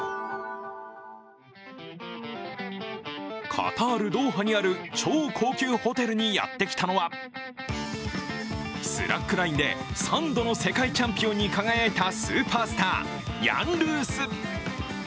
カタール・ドーハにある超高級ホテルにやってきたのはスラックラインで３度の世界チャンピオンに輝いたスーパースター、ヤン・ルース。